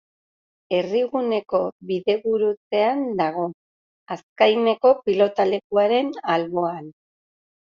Herriguneko bidegurutzean dago, Azkaineko pilotalekuaren alboan.